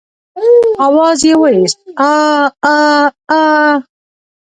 آواز يې واېست عاعاعا.